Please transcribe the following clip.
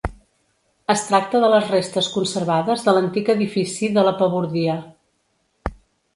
Es tracta de les restes conservades de l'antic edifici de la Pabordia.